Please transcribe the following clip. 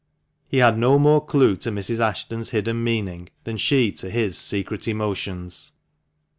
He had no more clue to Mrs. Ashton's hidden meaning than she to his secret emotions.